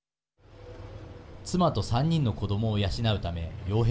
妻と３人の子どもを養うためよう